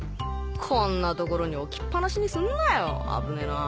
こんな所に置きっ放しにすんなよ危ねえなぁ。